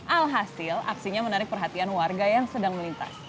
alhasil aksinya menarik perhatian warga yang sedang melintas